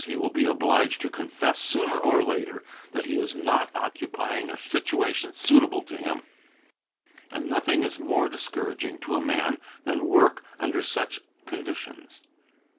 He will be obliged to confess, sooner or later, that he is not occupying a situation suitable to him; and nothing is more discouraging to a man than work under such conditions...